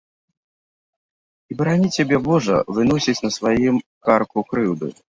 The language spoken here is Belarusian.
І барані цябе божа выносіць на сваім карку крыўду.